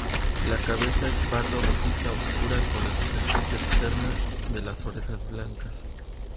La cabeza es pardo-rojiza oscura, con la superficie externa de las orejas blancas.